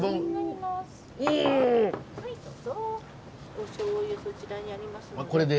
おしょうゆそちらにありますので。